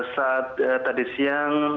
saat tadi siang